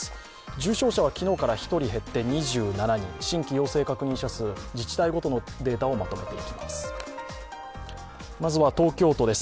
重症者は昨日から１人減って２７人、新規陽性確認者数、自治体ごとのデータをまとめていきます。